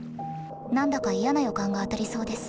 何だか嫌な予感が当たりそうです。